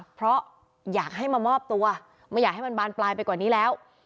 เพราะอยากให้มามอบตัวไม่อยากให้มันบานปลายไปกว่านี้แล้ว